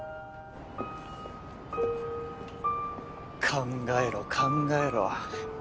考えろ考えろ。